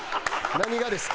何がですか？